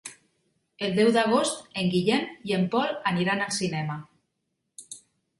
El deu d'agost en Guillem i en Pol aniran al cinema.